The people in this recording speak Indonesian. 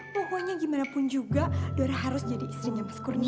pokoknya gimana pun juga dora harus jadi istrinya mas kurnia